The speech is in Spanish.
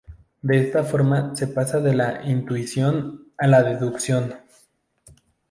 De esta forma se pasa de la intuición a la deducción.